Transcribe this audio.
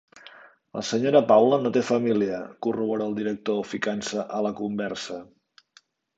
La senyora Paula no té família —corrobora el director, ficant-se a la conversa.